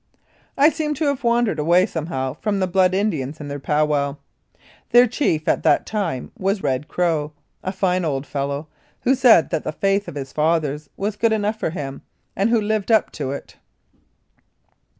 I seem to have wandered away somehow from the Blood Indians and their u pow wow." Their chief at that time was Red Crow, a fine old fellow, who said that the faith of his fathers was good enough for him, and who lived up to it.